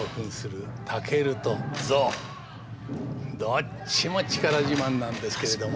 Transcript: どっちも力自慢なんですけれども。